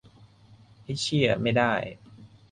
ไอ้เชี่ย ไม่ได้ !